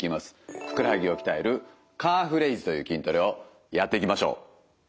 ふくらはぎを鍛えるカーフレイズという筋トレをやっていきましょう。